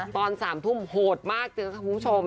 ตอน๓ทุ่มโหดมากเจอค่ะคุณผู้ชม